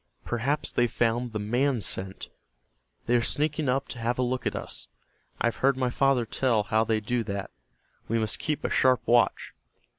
Perhaps they found the man scent. They are sneaking up to have a look at us. I have heard my father tell how they do that. We must keep a sharp watch."